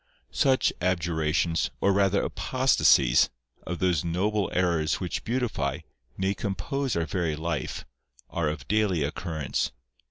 Such abjurations, or rather apostasies, of those noble errors which beautify, nay compose our very life, are of daily occurrence.